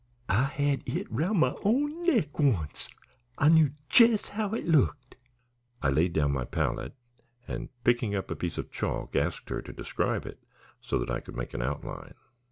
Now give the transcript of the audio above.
I had it roun' my own neck once; I knew jes' how it looked." I laid down my palette, and picking up a piece of chalk asked her to describe it so that I could make an outline.